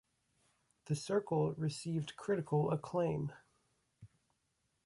"The Circle" received critical acclaim.